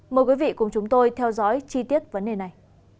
mời quý vị cùng chúng tôi theo dõi chi tiết vấn đề này